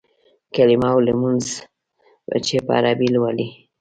کلیمه او لمونځ چې په عربي لولې.